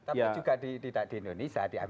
tapi juga tidak di indonesia